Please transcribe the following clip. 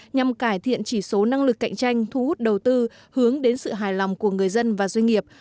nhằm cải thiện chỉ số năng lực cạnh tranh thu hút đầu tư hướng đến sự hài lòng của người dân và doanh nghiệp